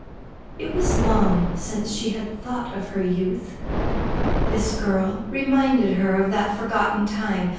It was long since she had thought of her youth. This girl reminded her of that forgotten time.